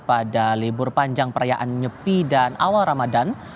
pada libur panjang perayaan nyepi dan awal ramadan